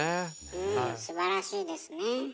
うんすばらしいですね。